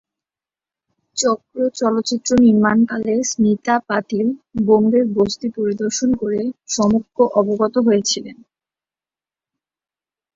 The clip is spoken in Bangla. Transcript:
চক্র চলচ্চিত্র নির্মাণকালে স্মিতা পাতিল বোম্বের বস্তি পরিদর্শন করে সম্যক অবগত হয়েছিলেন।